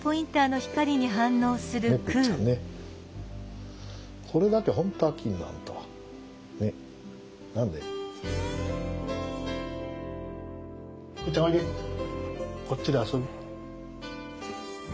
こっちで遊ぶ？